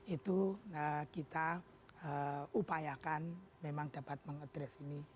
itu kita upayakan memang dapat mengadres ini